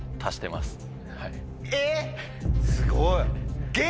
すごい。